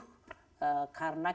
karena kita ditentukan